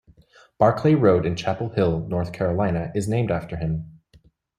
Barclay Road in Chapel Hill, North Carolina is named after him.